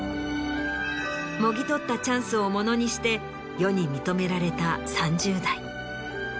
もぎ取ったチャンスをものにして世に認められた３０代。